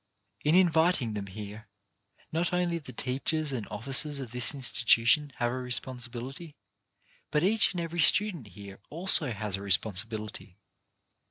In inviting them here, not only the teachers and officers of this institution have a responsibility, but each and every student here also has a responsibility.